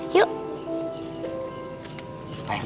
yaudah deh yuk